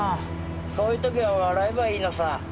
そういう時は笑えばいいのさ。